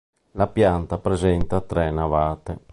La pianta presenta tre navate.